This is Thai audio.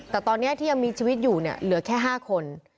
แต่ตอนนี้ที่ยังมีชีวิตอยู่เนี่ยเหลือแค่๕คน